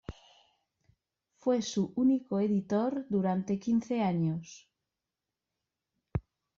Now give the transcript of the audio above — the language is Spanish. Fue su único editor durante quince años.